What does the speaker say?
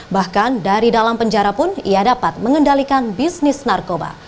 bahkan dari dalam penjara pun ia dapat mengendalikan bisnis narkoba